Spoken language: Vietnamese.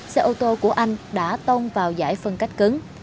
xe ô tô của anh đã tông vào giải phân cách cứng